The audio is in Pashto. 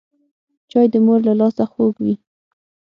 چای د مور له لاسه خوږ وي